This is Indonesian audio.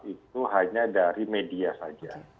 itu hanya dari media saja